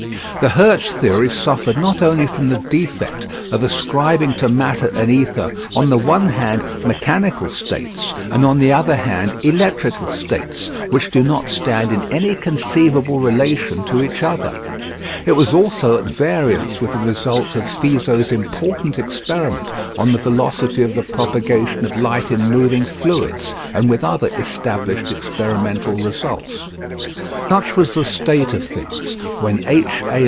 The Hertz theory suffered not only from the defect of ascribing to matter and ether, on the one hand mechanical states, and on the other hand electrical states, which do not stand in any conceivable relation to each other; it was also at variance with the result of Fizeau's important experiment on the velocity of the propagation of light in moving fluids, and with other established experimental results. Such was the state of things when H. A.